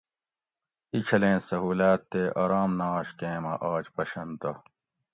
اینچھلیں سہولاۤت تے آرام نہ آش کیں آج مۤہ پشن تہ